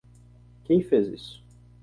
Quem fez isso?